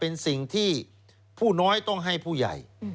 เป็นสิ่งที่ผู้น้อยต้องให้ผู้ใหญ่